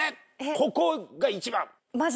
ここが一番！じゃ。